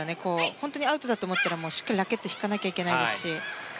本当にアウトだと思ったらしっかりラケット引かなきゃいけないですし。